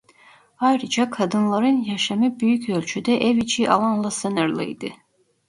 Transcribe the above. Ayrıca kadınların yaşamı büyük ölçüde ev içi alanla sınırlıydı.